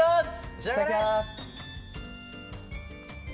いただきます。